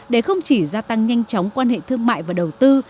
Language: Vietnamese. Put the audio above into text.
để không chỉ gia tăng nhanh chóng quan hệ thương mại và đầu tư